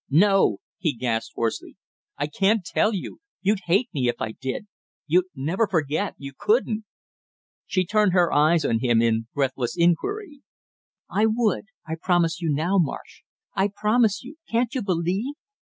"No," he gasped hoarsely. "I can't tell you you'd hate me if I did; you'd never forget you couldn't!" She turned her eyes on him in breathless inquiry. "I would I promise you now! Marsh, I promise you, can't you believe